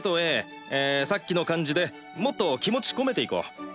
ええさっきの感じでもっと気持ち込めていこう。